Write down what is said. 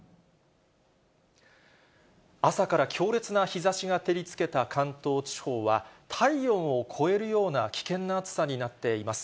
朝から強烈な日ざしが照りつけた関東地方は、体温を超えるような危険な暑さになっています。